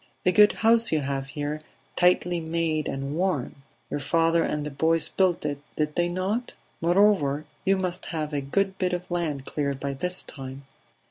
"A good house you have here; tightly made and warm. Your father and the boys built it, did they not? Moreover, you must have a good bit of land cleared by this time